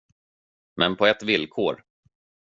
Men på ett villkor.